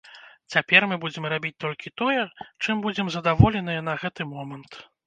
Цяпер мы будзем рабіць толькі тое, чым будзем задаволеныя на гэты момант.